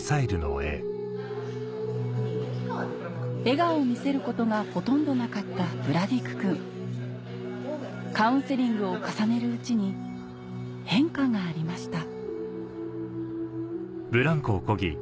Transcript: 笑顔を見せることがほとんどなかったカウンセリングを重ねるうちに変化がありました